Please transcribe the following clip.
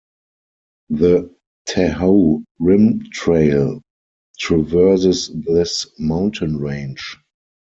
The Tahoe Rim Trail traverses this mountain range.